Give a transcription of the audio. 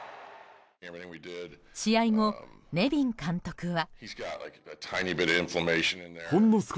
試合後、ネビン監督は。